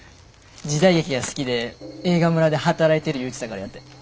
時代劇が好きで映画村で働いてる言うてたからやて。